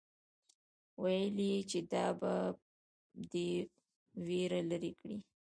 ويل يې چې دا به دې وېره لري کړي.